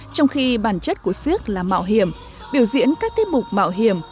trong khi bản chất của siếc là mạo hiểm biểu diễn các tiết mục mạo hiểm